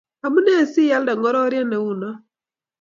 Amune si ialde ngororiet ne uno